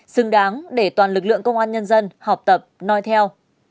xứng đáng để toàn lực lượng công an nhân dân học tập nói theo